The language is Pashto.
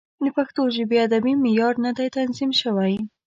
د پښتو ژبې ادبي معیار نه دی تنظیم شوی.